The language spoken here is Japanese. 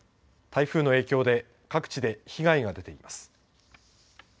台風の影響で各地で被害が出ています。